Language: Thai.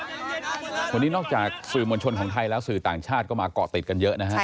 วันนี้นอกจากสื่อมวลชนของไทยแล้วสื่อต่างชาติก็มาเกาะติดกันเยอะนะฮะ